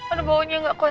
aduh baunya gak kuat